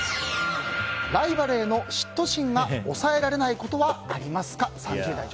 ライバルへの嫉妬心が抑えられないことはありますか。